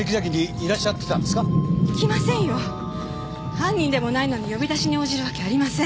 犯人でもないのに呼び出しに応じるわけありません。